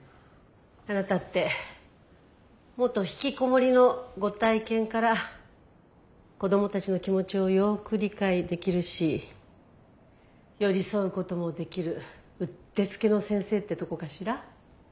あなたって元ひきこもりのご体験から子供たちの気持ちをよく理解できるし寄り添うこともできるうってつけの先生ってとこかしら？